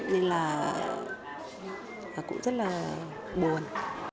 nên là cũng rất là buồn